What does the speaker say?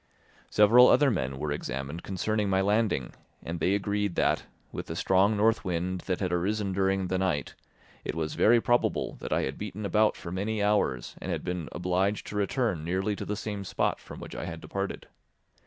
Several other men were examined concerning my landing, and they agreed that, with the strong north wind that had arisen during the night, it was very probable that I had beaten about for many hours and had been obliged to return nearly to the same spot from which I had departed.